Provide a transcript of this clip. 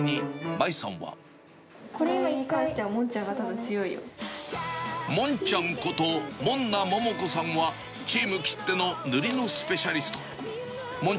これに関しては、モンちゃんこと門奈ももこさんは、チームきっての塗りのスペシャリスト。